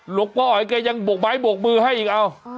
หลวงพ่ออ๋อยแกยังบกไม้บกมือให้อีกเอา